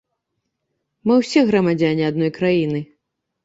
Мы ўсе грамадзяне адной краіны.